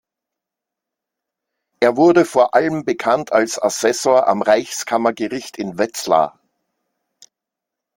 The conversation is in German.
Er wurde vor allem bekannt als Assessor am Reichskammergericht in Wetzlar.